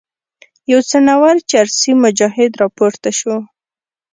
یو څڼور چرسي مجاهد راپورته شو.